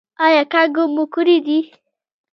ایا کانګې مو کړي دي؟